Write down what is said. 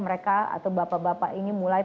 mereka atau bapak bapak ini mulai